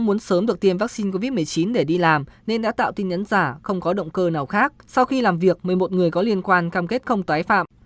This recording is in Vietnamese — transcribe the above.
muốn sớm được tiêm vaccine covid một mươi chín để đi làm nên đã tạo tin nhắn giả không có động cơ nào khác sau khi làm việc một mươi một người có liên quan cam kết không tái phạm